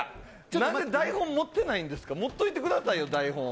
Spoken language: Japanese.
なんで台本持ってないんですか、持っといてくださいよ、台本を。